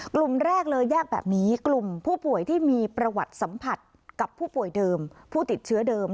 กลุ่มแรกเลยแยกแบบนี้กลุ่มผู้ป่วยที่มีประวัติสัมผัสกับผู้ป่วยเดิม